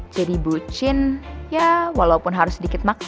jadi bucin ya walaupun harus sedikit maksa